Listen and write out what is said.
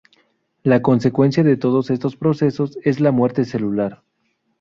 La consecuencia de todos estos procesos es la muerte celular.